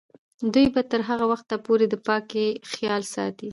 دوی به تر هغه وخته پورې د پاکۍ خیال ساتي.